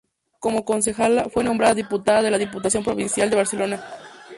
Como concejala fue nombrada diputada de la Diputación Provincial de Barcelona.